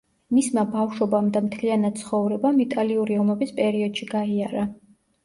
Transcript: მისმა ბავშვობამ და მთლიანად ცხოვრებამ, იტალიური ომების პერიოდში გაიარა.